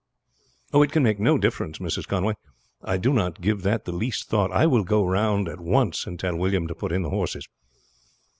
"It can make no difference, Mrs. Conway. I do not give that the least thought. I will go round at once and tell William to put in the horses."